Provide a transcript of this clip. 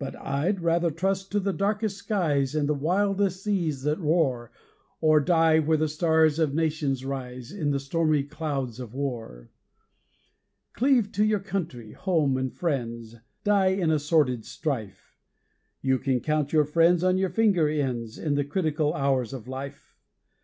But I'D rather trust to the darkest skies And the wildest seas that roar, Or die, where the stars of Nations rise, In the stormy clouds of war. Cleave to your country, home, and friends, Die in a sordid strife You can count your friends on your finger ends In the critical hours of life.